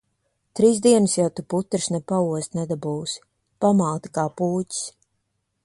Trīs dienas jau tu putras ne paost nedabūsi. Pamāte kā pūķis.